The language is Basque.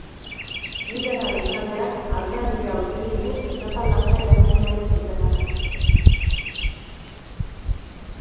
Liderraren taldeak alde handia utzi digu etapa lasai hartu nahi zutelako.